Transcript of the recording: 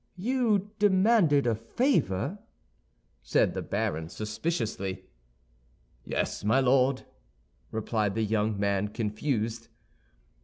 "You demanded a favor?" said the baron, suspiciously. "Yes, my Lord," replied the young man, confused.